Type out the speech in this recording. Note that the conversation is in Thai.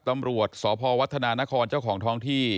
ตำรวจสพวัฒนานครเจ้าของท้องที่